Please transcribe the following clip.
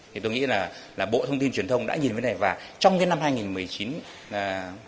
thì tôi nghĩ là bộ thông tin truyền thông đã nhìn với này và trong cái năm hai nghìn một mươi chín là